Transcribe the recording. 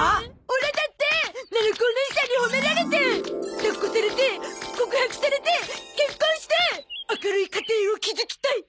オラだってななこおねいさんに褒められて抱っこされて告白されて結婚して明るい家庭を築きたい！